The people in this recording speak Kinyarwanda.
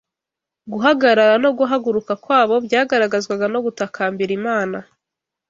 Guhagarara no guhaguruka kwabo byagaragazwaga no gutakambira Imana